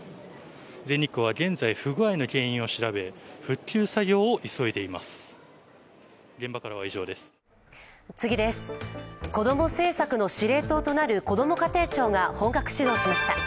全日空は現在不具合の原因を調べこども政策の司令塔となるこども家庭庁が本格始動しました。